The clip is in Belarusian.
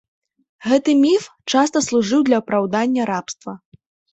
Гэты міф часта служыў для апраўдання рабства.